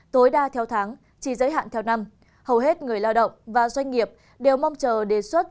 tối đa theo tháng chỉ giới hạn theo năm hầu hết người lao động và doanh nghiệp đều mong chờ đề xuất